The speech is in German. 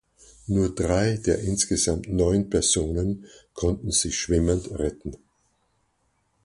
Nur drei der insgesamt neun Personen konnten sich schwimmend retten.